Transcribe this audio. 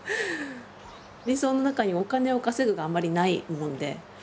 理想の中にお金を稼ぐがあんまりないもんで。